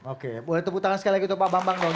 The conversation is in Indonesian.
oke boleh tepuk tangan sekali lagi tuh pak bambang dan